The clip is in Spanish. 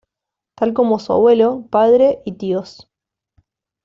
Tal como su abuelo, padre y tíos.